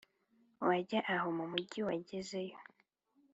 wajye aho mumujyi wagezeyo